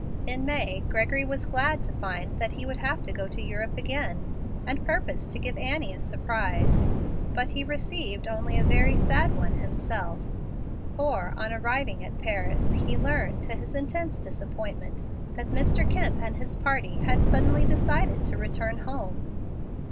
In May, Gregory was glad to find that he would have to go to Europe again, and purposed to give Annie a surprise. But he received only a very sad one himself, for, on arriving at Paris, he learned, to his intense disappointment, that Mr. Kemp and his party had suddenly decided to return home.